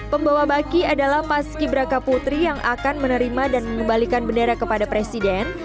pembawa baki adalah paski beraka putri yang akan menerima dan mengembalikan bendera kepada presiden